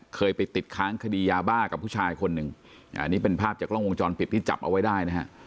เคยไปติดค้างคดียาบ้ากับผู้ชายคนหนึ่งอันนี้เป็นภาพจากกล้องวงจรปิดที่จับเอาไว้ได้นะฮะ